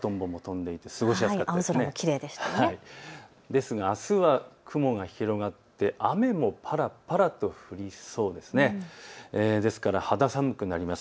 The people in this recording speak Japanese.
ですが、あすは雲が広がって雨もぱらぱらと降りそうです。